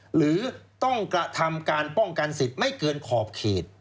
หรือต้องกระทำการป้องกันสิทธิ์ไม่เกินขอบเขต